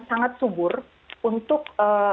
sangat subur untuk